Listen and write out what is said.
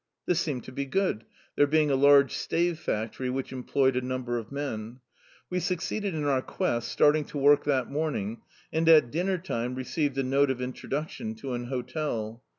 This seemed to be good, there being a large stave factory which employed a number of men. We succeeded in our quest, starting to work that morning, and at dirmer time received a note of introducti(Hi to an hotel.